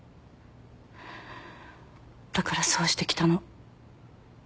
だからそうしてきたの。